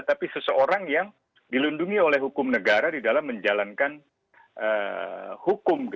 tapi seseorang yang dilindungi oleh hukum negara di dalam menjalankan hukum